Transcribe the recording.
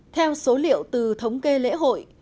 theo số liệu từ thống kê lễ hội